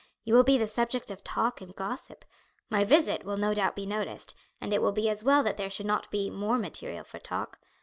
You will be the subject of talk and gossip. My visit will no doubt be noticed, and it will be as well that there should not be more material for talk.